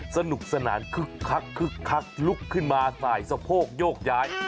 สนุกสนานคึกคักคึกคักลุกขึ้นมาสายสะโพกโยกย้าย